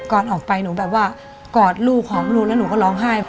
ออกไปหนูแบบว่ากอดลูกหอมลูกแล้วหนูก็ร้องไห้